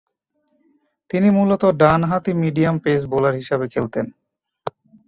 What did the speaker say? তিনি মূলতঃ ডানহাতি মিডিয়াম পেস বোলার হিসেবে খেলতেন।